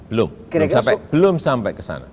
belum sampai belum sampai ke sana